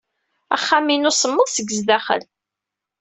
Axxam-inu semmeḍ seg sdaxel.